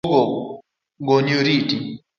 Abiro duogo goni oriti